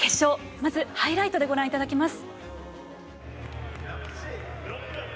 まずハイライトでご覧いただきます。